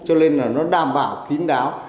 cho nên là nó đảm bảo kín đáo